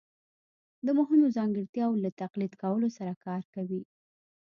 د مهمو ځانګړتیاوو له تقلید کولو سره کار کوي